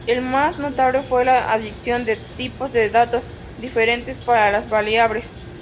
El más notable fue la adición de tipos de datos diferentes para las variables.